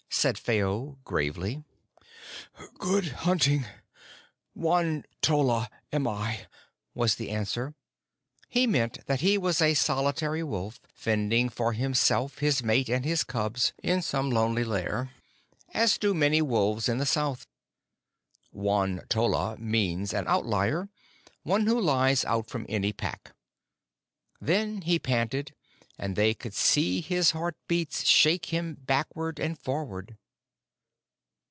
said Phao gravely. "Good hunting! Won tolla am I," was the answer. He meant that he was a solitary wolf, fending for himself, his mate, and his cubs in some lonely lair, as do many wolves in the south. Won tolla means an Outlier one who lies out from any Pack. Then he panted, and they could see his heart beats shake him backward and forward.